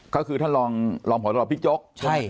ก็คือท่านรองหัวโต๊ะพิกโจ๊ก